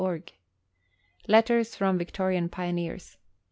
146 Letters from Victorian Pioneers.